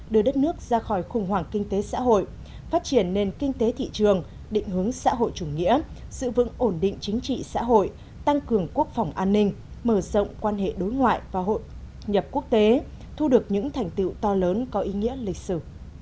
đưa đất nước ra khỏi khủng hoảng kinh tế xã hội phát triển nền kinh tế thị trường định hướng xã hội chủ nghĩa giữ vững ổn định chính trị xã hội tăng cường quốc phòng an ninh mở rộng quan hệ đối ngoại và hội nhập quốc tế thu được những thành tựu to lớn có ý nghĩa lịch sử